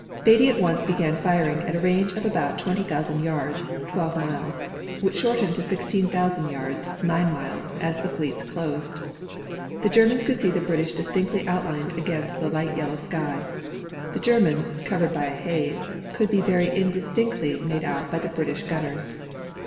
Beatty at once began firing at a range of about 20,000 yards (twelve miles) which shortened to 16,000 yards (nine miles) as the fleets closed. The Germans could see the British distinctly outlined against the light yellow sky. The Germans, covered by a haze, could be very indistinctly made out by the British gunners.